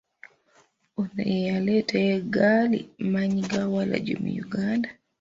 Ono ye yaleeta eggaali mmaanyigaawalagi mu Uganda?